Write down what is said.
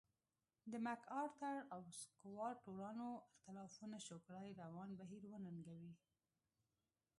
د مک ارتر او سکواټورانو اختلاف ونشو کړای روان بهیر وننګوي.